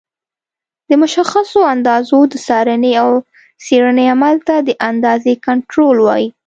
د مشخصو اندازو د څارنې او څېړنې عمل ته د اندازې کنټرول وایي.